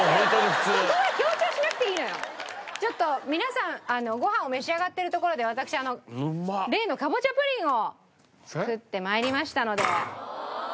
ちょっと皆さんご飯を召し上がってるところで私あの例のかぼちゃプリンを作って参りましたので。